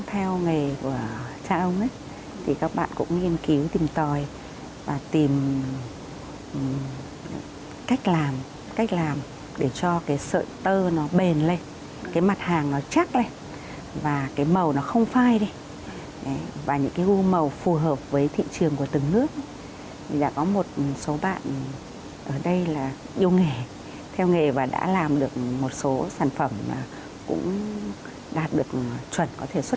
hiện nay có một số bạn ở đây là yêu nghề theo nghề và đã làm được một số sản phẩm cũng đạt được chuẩn có thể xuất khẩu được nhưng tuy nhiên nó không được nhiều lắm